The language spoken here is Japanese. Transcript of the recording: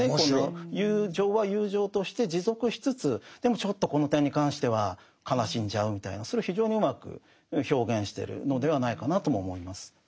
友情は友情として持続しつつでもちょっとこの点に関しては悲しんじゃうみたいなそれを非常にうまく表現してるのではないかなとも思います。